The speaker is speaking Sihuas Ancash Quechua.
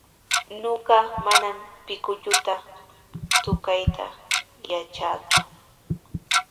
Ñuqa manami pinkulluta tukayta yatraaku.